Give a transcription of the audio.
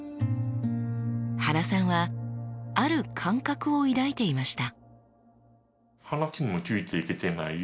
原さんはある感覚を抱いていました。